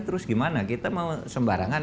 terus gimana kita mau sembarangan